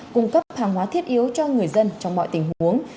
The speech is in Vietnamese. cung cấp hàng hóa thiết yếu cho người dân trong mọi tình huống